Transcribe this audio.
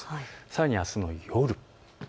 さらにあすの夜。